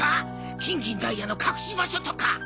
金銀ダイヤの隠し場所とか！